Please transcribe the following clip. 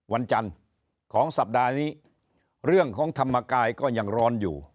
วันจันทร์ของสัปดาห์นี้เรื่องของธรรมกายก็ยังร้อนอยู่